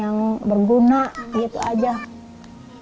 ini kehidupan dari ibu dua ke satu